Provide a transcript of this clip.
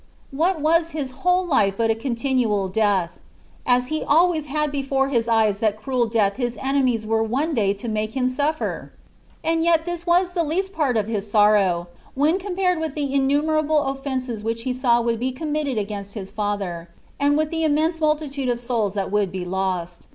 What was His whole life but a continual death, as He always had before His eyes that cruel death His enemies were one day to make Him suffer? And yet this was the least part of His sorrow, when compared with the in numerable offences which He saw would be com mitted against His Father, and with the immense multitude of souls that would be lost.